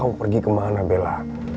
kamu pergi kemana bella